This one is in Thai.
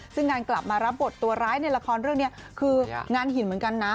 ซึ่งงานกลับมารับบทตัวร้ายในละครเรื่องนี้คืองานหินเหมือนกันนะ